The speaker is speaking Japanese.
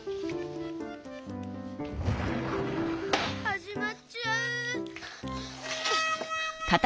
はじまっちゃう！